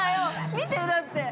見て、だって。